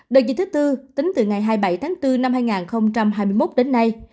đợt dịch thứ tư tính từ ngày hai mươi bảy tháng bốn năm hai nghìn hai mươi một đến nay